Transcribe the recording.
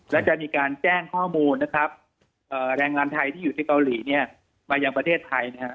แล้วจะมีการแจ้งข้อมูลแรงร้านไทยที่อยู่ที่เกาหลีมาจากประเทศไทย